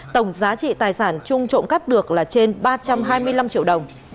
tổng giá trị tài sản chung trộm cắp được là trên ba trăm hai mươi năm triệu đồng